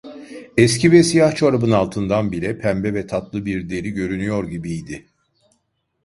Eski ve siyah çorabın altından bile pembe ve tatlı bir deri görünüyor gibiydi.